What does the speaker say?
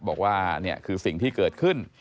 บอกว่านี่คือสิ่งที่เกิดขึ้น